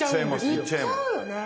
行っちゃうよね。